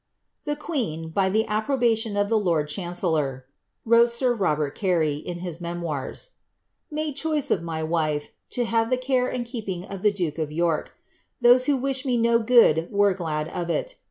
^The queen, 3 approbation of the lord chancellor," wrote sir Robert Carey, in emoirs, ^^ made choice of my wife, to have the care and keeping ) duke of York. Those who wished me no good were glad of it.